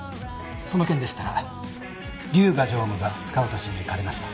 その件でしたら龍河常務がスカウトしに行かれました。